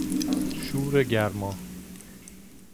شور گرما